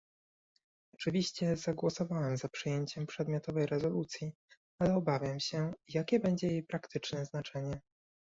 Oczywiście zagłosowałem za przyjęciem przedmiotowej rezolucji, ale obawiam się, jakie będzie jej praktyczne znaczenie